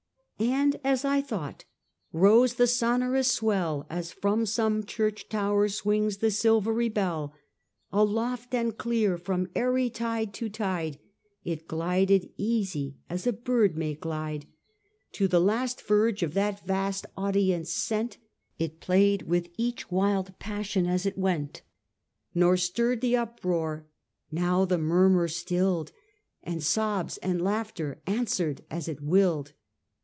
And as I thought, rose the sonorous swell As from some church tower swings the silvery hell; Aloft and clear from airy tide to tide, It glided easy as a bird may glide. THE HILL OF TARA, 291 1843. To the last verge of that vast audience sent, It played with each wild passion as it went ; Now stirred the uproar — now the murmur stilled, And sobs or laughter answered as it willed.